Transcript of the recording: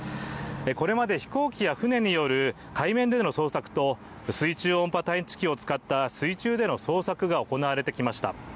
これまで飛行機や船による海面での捜索と水中音波探知機を使った水中での捜索が行われてきました。